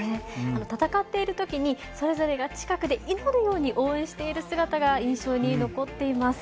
戦っている時にそれぞれが近くで祈るように応援している姿が印象に残っています。